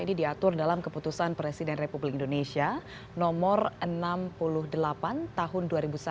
ini diatur dalam keputusan presiden republik indonesia nomor enam puluh delapan tahun dua ribu satu